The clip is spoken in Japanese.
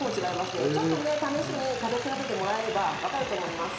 ちょっとね試しに食べ比べてもらえればわかると思います。